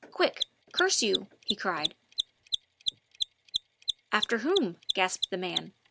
Quick! curse you!" he cried. "After whom?" gasped the man.